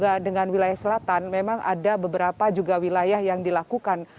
juga dengan wilayah selatan memang ada beberapa juga wilayah yang dilakukan